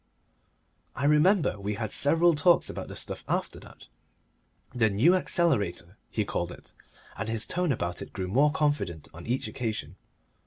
I remember we had several talks about the stuff after that. "The New Accelerator" he called it, and his tone about it grew more confident on each occasion.